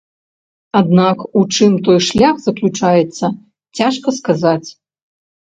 Аднак у чым той шлях заключаецца, цяжка сказаць.